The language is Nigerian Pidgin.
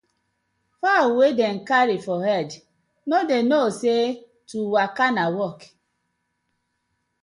Fowl wey dem carry for head no dey know say to waka na work: